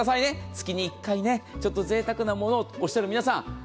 月に１回ぜいたくなものをとおっしゃる皆さん。